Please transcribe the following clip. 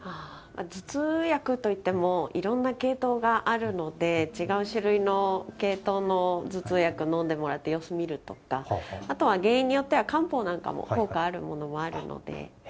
頭痛薬といってもいろんな系統があるので違う種類の系統の頭痛薬を飲んでもらって様子を見るとかあとは原因によっては漢方なんかも効果があるものもあるので。